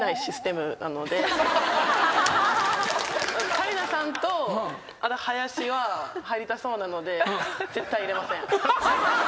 紗理那さんと林は入りたそうなので絶対入れません。